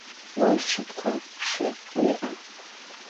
Vo şşıpxhui şşi vui'a?